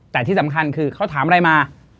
แต่ที่สำคัญคือเขาถามอะไรมา